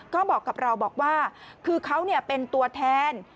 ก็บอกกับเราบอกว่าคือเขาเป็นตัวแทน